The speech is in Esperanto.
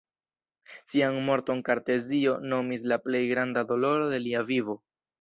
Ŝian morton Kartezio nomis la plej granda doloro de lia vivo.